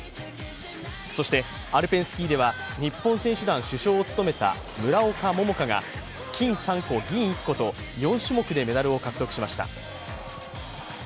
そして、アルペンスキーでは日本選手団主将を務めた村岡桃佳が金３個、銀１個と４種目でメダルを獲得しました。